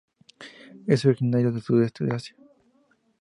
Es originario del sudeste de Asia.